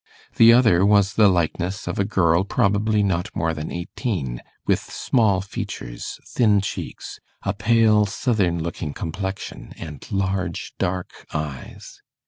The other was the likeness of a girl probably not more than eighteen, with small features, thin cheeks, a pale southern looking complexion, and large dark eyes.